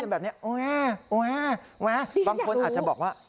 บางคนอาจจะบอกว่า